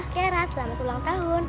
tiara selamat ulang tahun